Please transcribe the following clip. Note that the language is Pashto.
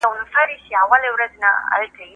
درباندې گرانه يم په هر بيت کې دې نغښتې يمه